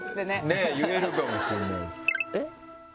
ねぇ言えるかもしれない。